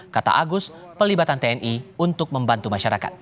kata agus pelibatan tni untuk membantu masyarakat